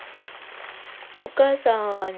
お母さんはね